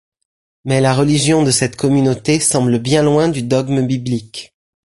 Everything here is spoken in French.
Mais la religion de cette communauté semble bien loin du dogme biblique.